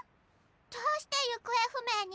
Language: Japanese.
どうして行方不明に？